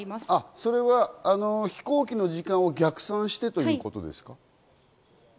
それは飛行機の時間を逆算してということですか？